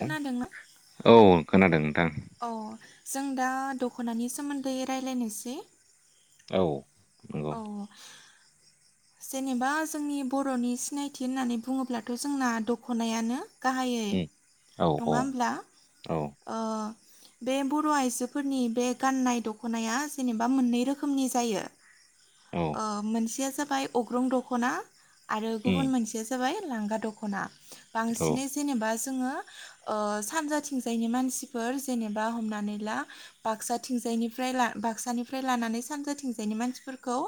खोनादोंना औ खोनादों नोंथां अह जों दा दख'नानि सोमोन्दै रायलायनोसै औ नंगौ औ जेनेबा जोंनि बर'नि सिनायथि होननानै बुङोब्लाथ' जोंना दख'नायानो गाहायै उम औ नङा होमब्ला औ ओ बे बर' आइजोफोरनि बे गाननाय दख'नाया जेनेबा मोननै रोखोमनि जायो औ ओ मोनसेया जाबाय अग्रं दख'ना आरो गुबुन उम मोनसेया जाबाय लांगा दख'ना औ बांसिनै जेनेबा जोङो ओ सानजाथिंजायनि मानसिफोर जेनेबा हमनानै ला बाकसाथिं जायनिफ्राय बाक्सानिफ्राय लानानै सानजाथिंजायनि मानसिफोरखौ खौ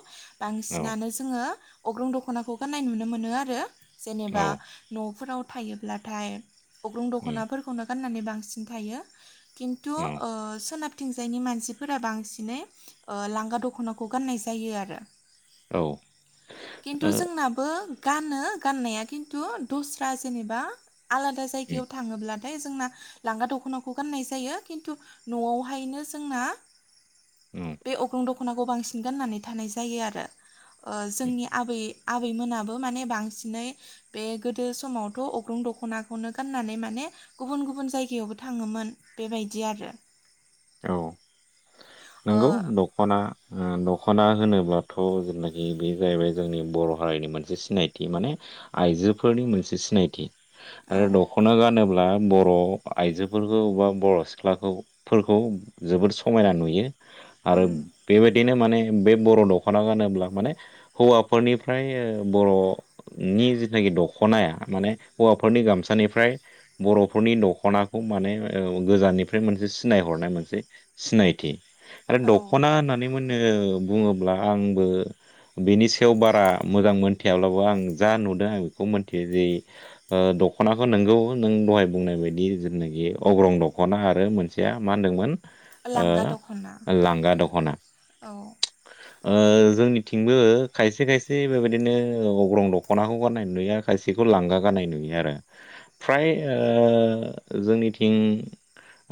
औ बांसिनानो जोङो अग्रं दख'नाखौ गान्नाय नुनो मोनो आरो जेनेबा औ न'फोराव थायोब्लाथाय अग्रं उम दख'नाफोरखौनो गाननानै बांसिन थायो खिन्थु औ सोनाब थिंजायनि मानसिफोरा बांसिनै लांगा दख'नाखौ गाननाय जायो आरो औ ओ खिन्थु जोंनाबो गानो गाननाया खिन्थु दस्रा जेनेबा आलादा उम जायगायाव थाङोब्लानो नाथाय जोंना लांगा दख'नाखौ गाननाय जायो खिन्थु न'आवहायनो जोंना उम बे अग्रं दख'नाखौ बांसिन गाननानै थानाय जायो आरो उम जोंनि आबै आबैमोनाबो माने बांसिनै बे गोदो समावथ' अग्रं दखनाखौनो गाननानै मान गुबुन गुबुन जायगायावबो थाङोमोन बेबायदि आरो औ ओ नंगौ दख'ना दख'ना होनोब्लाथ' जेनाखि बे जाहैबाय जोंनि बर' हारिनि मोनसे सिनायथि माने आइजोफोरनि मोनसे सिनायथि औ आरो दख'ना गानोब्ला बर' आइजोफोरखौ बा बर' सिख्लाखौफोरखौ खौ जोबोद समायना नुयो उम आरो बेबायदिनो माने बे बर' दख'ना गानोब्ला माने हौवाफोरनिफ्राय बर'नि जिनाखि दखनाया माने हौवाफोरनि गामसानिफ्राय बर'फोरनि दख'नाखौ माने औ गोजाननिफ्राय मोनसे सिनायहरनाय मोनसे सिनायथि आरो औ दखना होननानै बुङोब्ला आंबो बेनि सायाव बारा मोजां मोनथियाब्लाबो आं जा नुदों नुदों आं बेखौ मिथियो जे ओ दख'नाखौ नोंगौ नों दहाय बुंनाय बायदि जेनाखि अग्रं दख'ना आरो मोनसेया मा होनदोंमोन ओ लांगा दख'ना लांगा दख'ना औ ओ जोंनिथिंबो खायसे खायसे बेबायदिनो अग्रं दख'नाखौ गाननाय नुयो खायसेखौ खौ लांगा गाननाय नुयो आरो फ्राय ओ जोंनिथिं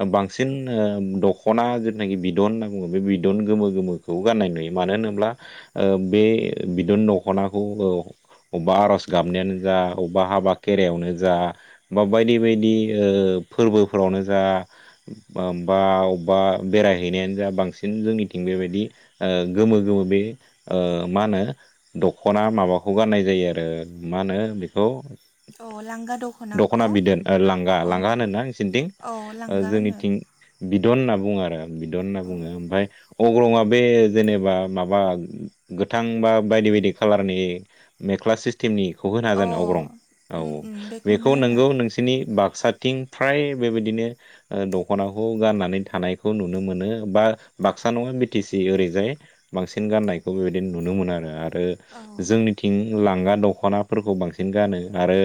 ओ बां सिन ओ दख'ना जेनाखि बिदन होनना बुङो बे बिदन गोमो गोमोखौबो गाननाय नुयो मानो होनोब्ला ओ बे बिदन दखनाखौ औ अबबा आर'ज गाबनायानो जा अबबा हाबा खेरायावनो जा बा बायदि बायदि ओ फोरबोफोरावनो जा बा ओमबाव बा बेरायहैनायानो जा बांसिन जोंनिथिं बेबायदि ओ गोमो गोमो बे ओ मा होनो दख'ना माबाखौ गाननाय जायो आरो मा होनो बेखौ औ लांगा दख'नाखौ दख'ना बिदोन ओ लांगा लांगा अ होनना नोंसिनिथिं औ ओ लांगा जोंनि होनो बिदन होनना बुङो आरो बिदन होनना औ बुङो ओमफ्राय अग्रंआ बे जेनेबा माबा गोथां बा बायदि बायदि खाालारनि ने क्लास सिस्टेमनि खौबो होनो हागोन औ अग्रं औ उम उम बेखौनो बेखौ होनो नोंगौ नोंसिनि बाक्सा थिं फ्राय बेबायदिनो ओ द दख'नाखौ गाननानै थानायखौ नुनो मोनो बा बाक्सा नङा बि टि सि ओरैजाय बांसिन गाननायखौ बेबायदि नुनो मोनो आरो आरो औ जोंनिथिं लांगा दख'नाफोरखौ बांसिन गानो आरो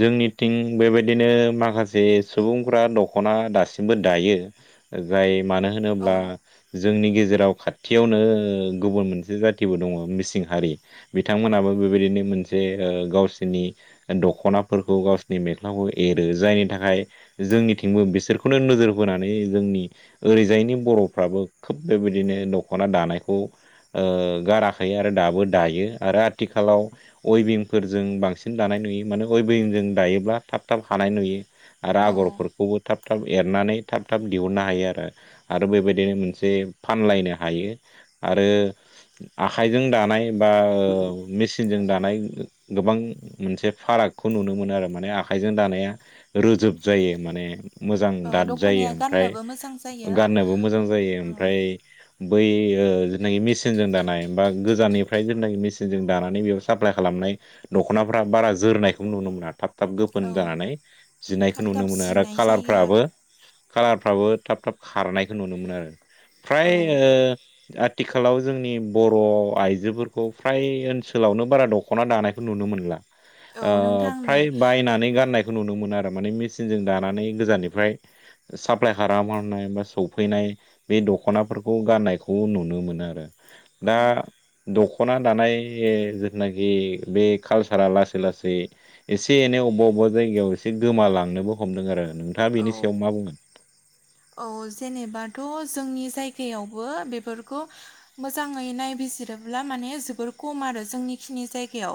जोंनिथिं बेबायदिनो माखासे सुबुंफोरा द खना दासिमबो दायो जाय मानो होनोब्ला औ जो जोंनि गेजेराव खाथियावनो गुबुन मोनसे जाथिबो दङ मिसिं हारि बिथांमोनाबो बेबायदिनो मोनसे ओ गावसिनि दख'नाफोरखौ गावसिनि मेख्लाखौ एरो जायनि थाखाय हाय जोंनिथि थिंबो बिसोरखौनो नोजोर बोनानै जोंनि ओरैजायनि बर'फ्राबो खोब बेबायदिनो दख'ना दानायखौ ओ गाराखै आरो दाबो दायो आरो आथिखालाव अइभिंफोरजों बांसिन दानाय नुयो मानो अइभिंजों दायोब्ला थाब थाब हानाय नुयो आरो औ आगरफोर थाब थाब एरनानै थाब थाब दिहुननो हायो आरो आरो बेबायदिनो मोनसे फानलायनो हायो आरो आखाइजों दानाय बा मेसिनजों दानाय द बां मोनसे फारागखौ नुनो मोनो आरो माने आखाइजों दानाया रोजोब जायो माने मोजां औ दाद दख'नाया जायो ओमफ्राय गाननोबो मोजां जायो गाननोबो मोजां जायो औ ओमफ्राय बै ओ जायनाखि मेसिनजों दानाय बा गोजाननिफ्राय जेनाखि मेसिनजों दानानै बेयाव साप्लाइ खालामनाय द दख'नाफ्रा बारा जोरनायखौ नुनो मोना थाब थाब गोफोन औ जानानै जिनायखौ थाब थाब नुनो मोनो आरो जिनाय जायो कालारफ्राबो आरो का खारफ्राबो थाब थाब खारनायखौ नुनो मोनो आरो फ्राय औ ओ आ थिखालाव जोंनि बर' आइजोफोरखौ फ्राय ओनसोलावनो बारा दख'ना दानायखौ नुनो मोनला औ ओ नोंथां नै फ्राय बायनानै गाननायखौ नुनो मोनो आरो माने मेसिनजों दा नानै गोजाननिफ्राय साप्लाय खालामहरनाय बा सफैनाय बे दखनाफोरखौ गान नायखौ नुनो मोनो आरो औ दा दख खना दानाय ओ जिथुनाखि बे कालसारा लासै लासै एसे एनै अबा अबबा बा जायगायाव एसे गोमालांनोबो हमदों आरो नोंथाङा बेनि औ सायाव मा बुङो औ जेनेबाथ' जोंनि जायगायावबो बेफोरखौ मोजाङै नायबि जिरोब्ला माने जोबोर खम आरो जोंनिखिनि जायगायाव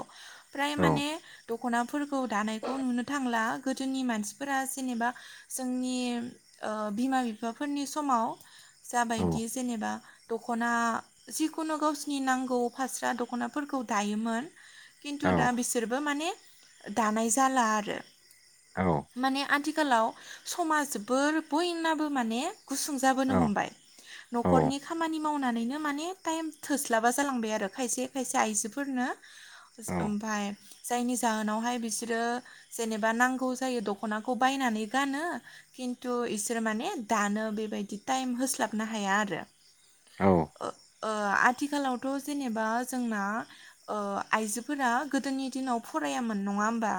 फ्राय औ माने दख'नाफोरखौ दानायखौ नुनो थांला गोदोनि मानसिफोरा जेनेबा जोंनि ओ बिमा बिफाफोरनि समाव औ जाबायदि जेनेबा दख'ना जिखुनु गावसिनि नांगौ फास्रा दख'नाफोरखौ दायोमोन खिन्थु औ दा बिसोरबो माने दानाय जाला आरो औ माने आथिखालाव समा जोबोर बयनाबो माने गुसुं जाबोनो हमबाय औ न'खरनि खामानि मावनानैनो माने टाइम थोस्लाबा जालांबाय आरो खायसे खायसे आइजोफोरनो ओमफाय जायनि जाहोनावहाय बिसोरो जेनेबा नांगौ जायो दख'नाखौ बाय नानै गानो खिन्थु इसोर माने दानो बेबायदि टाइम होस्लाबनो हाया आरो औ ओ ओ आथिखालावथ' जेनेबा जोंना ओ आइजोफोरा गोदोनि दिनाव फराय रायामोन नङा होमबा?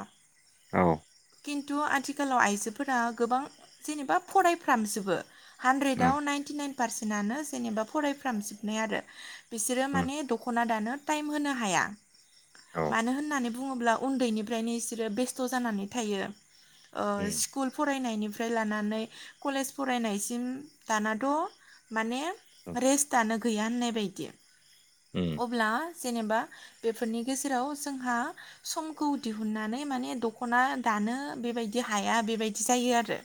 औ खिन्थु आथिखालाव आइजोफोरा गोबां जेनेबा फरायफ्रामजोबो हानद्रेदाव उम नाइनटि नाइन पारसेन्टनो जेनेबा फरायफ्रामजोबनाय आरो बिसोरो उम माने दख'ना दानो टाइम होनो हाया औ मानो होननानै बुङोब्ला उन्दैनिफ्रायनो बिसोरो बेस्थ' जानानै थायो ओ उम स्कुल फरायनायनि फ्राय लानानै कलेज फरायनायसिम दानाथ' माने रेस्टानो गैया होननाय बायदि उम अब्ला जेनेबा बेफोरनि गेजेराव जोंहा समखौ दिहुननानै माने दख'ना दा नो बायदि हाया बेबायदि जायो आरो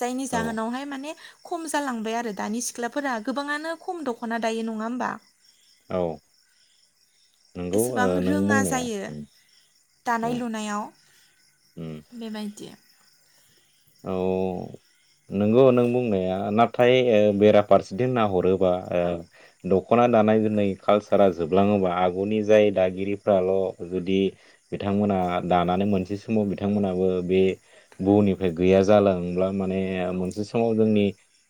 जायनि औ जाहोनावहाय माने खम जालांबाय आरो दानि सिख्लाफोरा गोबाङानो खम दख'ना दायो नङा होमबा? औ नंगौ एसेबां ओ नों रोङा बुंनाया जायो उम औ दानाय लुनायाव उम बेबायदि औ नोंगौ नों बुंनाया नाथाय बेराफारसेथिं नाहरोबा दख'ना दानाय जुनाय कालसारा जोबलाङोबा आगुनि जाय दागिरिफ्राल' जुदि बिथांमोन ना दानानै मोनसे समाव बिथांमोनाबो बे बनि गैया जालाङोब्ला माने मोनसे समाव जोंनि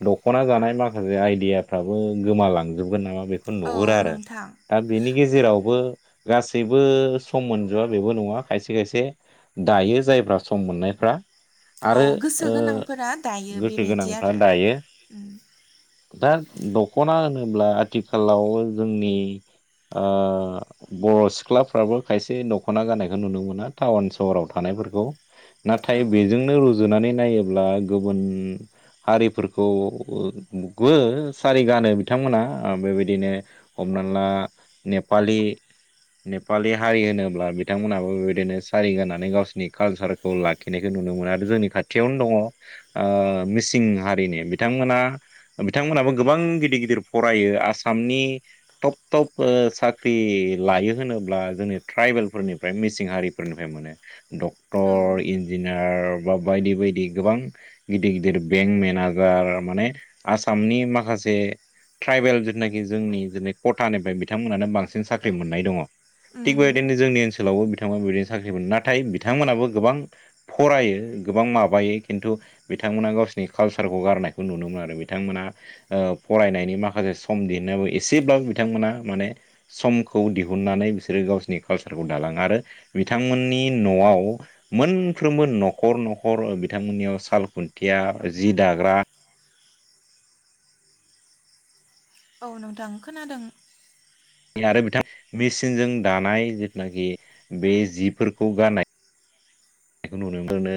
दख'ना जानाय माखासे आइदियाफ्राबो गोमालांजोबगोन नामा बेखौ औ नुहुरो आरो नोंथां दा बेनि गेजेरावबो गासैबो सम मोनजोबा बेबो नङा खायसे खायसे दायो जायफ्रा सम मोननायफ्रा औ गोसो आरो गोनांफोरा दायो गोसो बेबायदि गोनांफ्रा आरो दायो। दा दख'ना होनोब्ला आथिखालाव जोंनि ओ बर' सिख्लाफ्राबो खायसे दख'ना जानायखौ नुनो मोना टाउन सहराव थानाय फोरखौ औ नाथाय बेजोंनो रुजुनानै नायोब्ला गुबुन हारिफोरखौबो सारि गानो बिथांमोना बेबायदिनो हम हमना नेपालि नेपालि हारि होनोब्ला बिथांमोनाबो बेबायदिनो सारिगनानै गावसिनि कालसारखौ लाखिनायखौ नु नुनो मोनो आरो जोंनि खाथियावनो दङ आ मिसिं हारिनि बिथांमोना बिथांमोनाबो गोबां गि दिर गिदिर फरायो आसामनि टप टप साख्रि लायो होनोब्ला जों ट्राइबेलफोरनिफ्राय मिसिं हारिफोरनिफ्राय मोन औ डक्टर इन्जियार बा बायदि बायदि गोबां गिदिर गिदिर बेंक मेनजार माने आसामनि माखासे ट्राइबेल जिथनाखि जोंनि ज कथानिफ्राय बिथांमोनानो बांसिन साख्रि मोननाय दङ। उम थिग बेबायदिनो जोंनि ओनसोल लावबो बिथांमोना बेदिनो साख्रि मोनो नाथाय बिथांमोनाबो गोबां फरायो। गोबां माबायो खिन्थु बिथांमोना गावसिनि कालसारखौ गारनायखौ नुनो मोनो आरो बिथांमोना फरायनायनि माखासे सम दिहुननायाबो एसेब्लाबो बिथांमोना माने समखौ दिहुननानै बिसोरो गावसिनि कालसारखौ दालाङो आरो बिथांमोननि न'आव मोनफ्रोमबो न'खर न' खर बिथांमोननियाव साल खुन्थिया जि दाग्रा। औ नोंथां खोनादों। आरो बिथां मेचिनजों दानाय जिथुनाखि बे जिफोरखौ गारनाय खौ नुफोरनो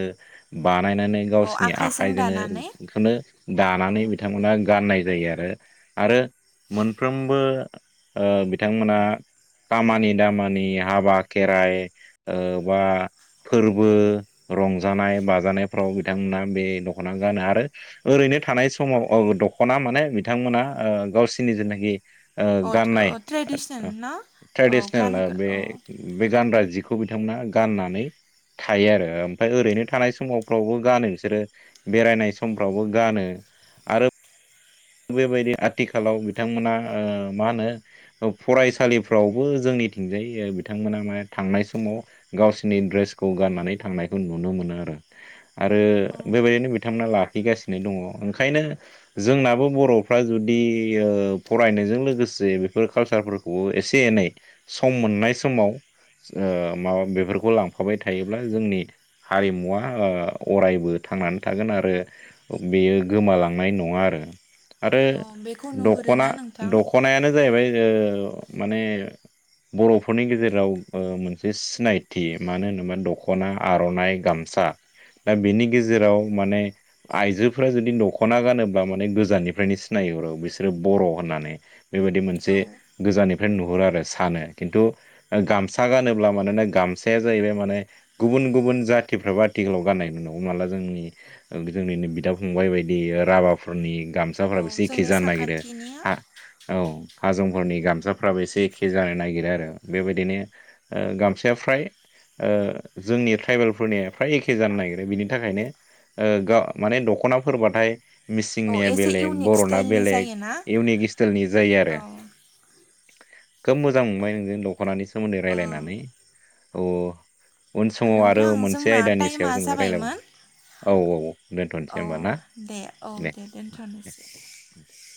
बा [unintelligible] ब औ गावसिनि आखाइजों दानानै आखजोंनो दानानै औ बिथांमोना गाननाय जायो आरो आरो मोनफ्रोमबो बिथांमोना। खामानि दामानि हाबा खेराइ ओ बा फोर बो रंजानाय बाजानायफ्राव बिथांमोना बे दख'ना गानो आरो ओरैनो थानाय समाव दख'ना माने बिथांमोना गावसिनि जेनाखि अ गाननाय अ ट्रेडिसनेल ना औ ट्रेडिसनेल बे गानग्रा औ गानग्रा जिखौ बिथांमोना गाननानैव। थायो आरो ओमफ्राय ओरैनो थानाय समावफ्रावबो गानो बिसोरो बेरायनाय समफ्रावबो गानो। आरो बेबायदि आथिखालाव बिथांमोना ओ मा होनो फरायसालिफ्रावबो जोंनि। थिंजाय बिथांमोना माने थांनाय समाव गावसिनि ड्रेसखौ गाननानै थांनायखौ नुनो मोनो। आरो औ बेबायदिनो बिथांमोना लाखिगासिनो दंङो ओंखायनो जोंनाबो। बर'फ्रा जुदि फरायनायजों लोगोसे बेफोर कालसारफोरखौबो एसे एनै। सम मोननाय समाव ओ माबा बेफोरखौ लांफाबाय थायोब्ला जोंनि हारिमुवा अरायबो ओ थांनानै थागोन आरो बेयो गोमालांनाय नंङा आरो आरो औ बेखौ दख'ना नुहुरोना नोंथां दख'नायानो जाहैबाय माने बर'फोरनि गेजेराव मोनसे सिनायथि मानो होनोबा दख'ना आर'नाइ गामसा दा बेनि गेजेराव माने आइजोफोरा जुदि दख'ना गानोब्ला जो गोजाननिफ्रायनो सिनायहरो बिसोरो बर' होननानै बेबायदि मोनसे औ गोजान बेफ्राय नुहरो आरो सानो खिन्थु गामसा गानोब्ला मानोना गामसाया जाहैबाय माने गुबुन गुबुन गुबुन जाथिफ्राबो आथिखालाव गानाय नुनोमोनो हमना ला जोंनि जोंनिनो बिदा फंबाय बायदि हाबाफोरनि औ गामसाफोराबो जेखे जोंनि जानो नागिरो साखाथिनिया हा औ हाजुंफोरनि गामसाफ्राबो एसे एखे जानो नागिरो आरो बेबायदिनो गामसाया फ्राय ओ जोंनि ट्राइबेलफोरनिया फ्राय एखे जानो नागिरो बिनि थाखायनो माने दख'नाफोरबाथाय औ मिसिंनिया एसे बेलेग इउनिक बर'ना स्टाइलनि बेलेग जायोना इउनिक स्टाइलनि जायो आरो औ खोब मोजां मोनबाय नोंजों दख'नानि सोमोन्दै रायलायनानै। औ औ उन समाव आरो नोंथां मोनसे जोंना आयदानि सायाव टाइमा जोंङो रायज्लाय जाबायमोन मो औ - औ दोनथ'नोसै औ होमबा ना दे औ दे [unintelligible]